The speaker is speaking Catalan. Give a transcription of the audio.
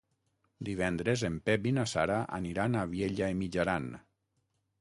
Divendres en Pep i na Sara aniran a Vielha e Mijaran.